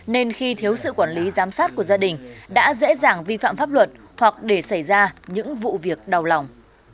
nên khi thiếu sự quản lý giám sát của gia đình đã dễ dàng vi phạm pháp luật hoặc để xảy ra những vụ việc đau lòng